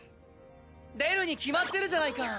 出るに決まってるじゃないか！